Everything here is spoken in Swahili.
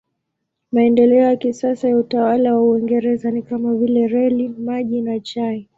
Maendeleo ya kisasa ya utawala wa Uingereza ni kama vile reli, maji na chai.